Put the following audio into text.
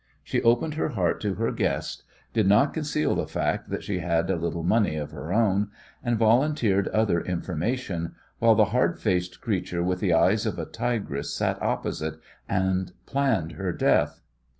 She opened her heart to her guest, did not conceal the fact that she had a little money of her own, and volunteered other information, while the hard faced creature with the eyes of a tigress sat opposite and planned her death.